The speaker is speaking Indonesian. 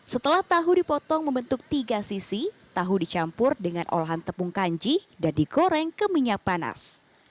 setelah tahu dipotong membentuk tiga sisi tahu dicampur dengan olahan tepung kanji dan digoreng ke minyak panas